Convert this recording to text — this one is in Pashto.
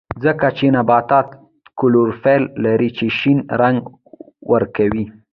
ځکه چې نباتات کلوروفیل لري چې شین رنګ ورکوي